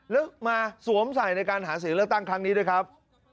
แล้วมาสวมใส่ในการหาเสียงเลือกตั้งครั้งนี้ด้วยครับ